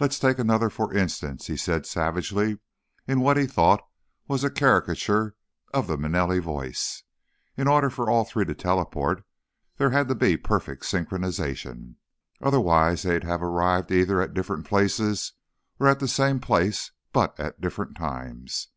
"Let's take another for instance," he said savagely, in what he thought was a caricature of the Manelli voice. In order for all three to teleport, there had to be perfect synchronization. Otherwise, they'd have arrived either at different places, or at the same place but at different times.